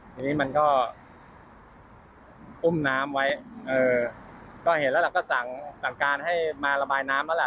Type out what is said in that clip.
ทีนี้มันก็อุ้มน้ำไว้เออก็เห็นแล้วล่ะก็สั่งสั่งการให้มาระบายน้ำแล้วล่ะ